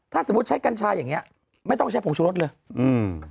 ถ้าสมมุติใช้กัญชาอย่างเงี้ยไม่ต้องใช้ผงชุรสเลยอืม